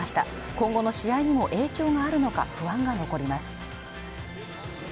今後の試合にも影響があるのか不安が残ります